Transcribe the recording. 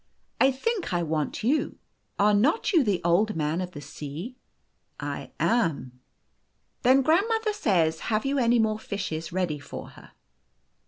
"I think I want you. Are not you. the Old Man of the Sea? "" I am." " Then grandmother says, have you any more fishes ready for her